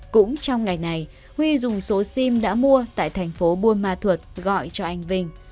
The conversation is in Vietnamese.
cũng trong ngày này huy dùng số sim đã mua tại thành phố buôn ma thuật gọi cho anh vinh